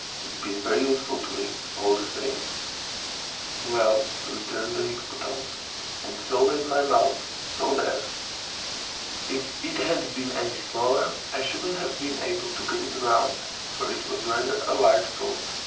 It's been very useful to me, all the same." "Well," returned the Hippopotamus, "and so has my mouth, so there! If it had been any smaller, I shouldn't have been able to get it round, for it was rather a large boat."